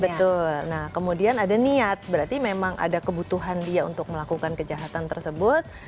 betul nah kemudian ada niat berarti memang ada kebutuhan dia untuk melakukan kejahatan tersebut